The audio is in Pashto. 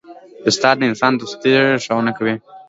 استاد د انسان دوستي ښوونه کوي.